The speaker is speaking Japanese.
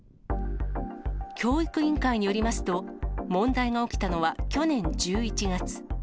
教育委員会によりますと、問題が起きたのは去年１１月。